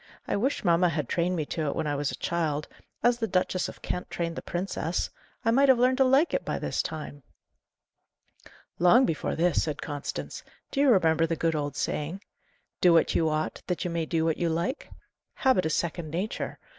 "I wish mamma had trained me to it when I was a child, as the Duchess of Kent trained the princess! I might have learned to like it by this time." "Long before this," said Constance. "Do you remember the good old saying, 'Do what you ought, that you may do what you like'? Habit is second nature.